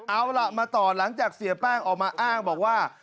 เอาล่ะมาต่อหลังจากเสียแป้งออกมาอ้างบอกว่า